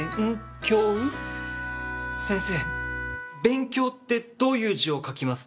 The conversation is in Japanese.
先生「べんきょう」ってどういう字を書きますか？